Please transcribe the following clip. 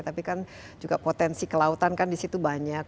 tapi kan juga potensi kelautan kan di situ banyak